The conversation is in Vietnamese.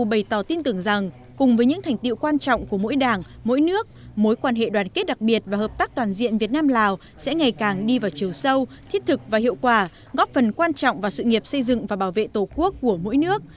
bày tỏ tin tưởng rằng cùng với những thành tiệu quan trọng của mỗi đảng mỗi nước mối quan hệ đoàn kết đặc biệt và hợp tác toàn diện việt nam lào sẽ ngày càng đi vào chiều sâu thiết thực và hiệu quả góp phần quan trọng vào sự nghiệp xây dựng và bảo vệ tổ quốc của mỗi nước